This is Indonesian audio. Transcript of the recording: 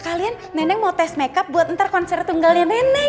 kalian neneng mau tes makeup buat ntar konser tunggalnya nenek